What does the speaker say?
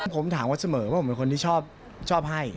ผมถามเขาเสมอว่าผมเป็นคนที่ชอบให้